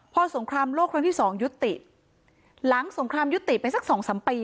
พอสงครามโลกครั้งที่สองยุติหลังสงครามยุติไปสักสองสามปี